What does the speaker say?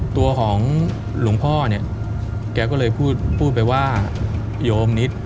ตัวของหลวงพ่อเนี่ยแกก็เลยพูดพูดไปว่าโยมนิด